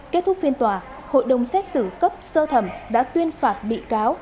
kết thúc phiên tòa hội đồng xét xử cấp sơ thẩm đã tuyên phạt bị cáo